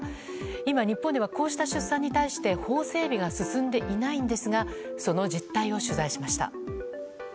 今、日本ではこうした出産に対して法整備が進んでいないんですがその実態を取材しました。